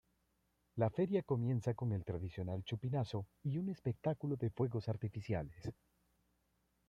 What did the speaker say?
La feria comienza con el tradicional chupinazo y un espectáculo de fuegos artificiales.